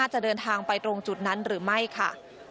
จะเดินทางไปตรงจุดนั้นหรือไม่ค่ะ